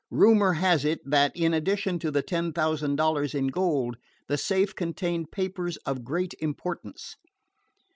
Rumor has it that, in addition to the ten thousand dollars in gold, the safe contained papers of great importance.